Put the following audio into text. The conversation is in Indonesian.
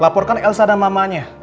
laporkan elsa dan mamanya